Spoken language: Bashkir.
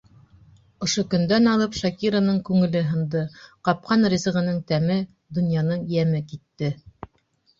Ошо көндән алып Шакираның күңеле һынды, ҡапҡан ризығының тәме, донъяның йәме китте.